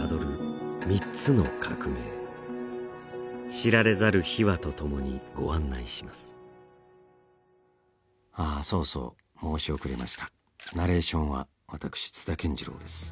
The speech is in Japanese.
知られざる秘話と共にご案内しますあっそうそう申し遅れましたナレーションは私津田健次郎です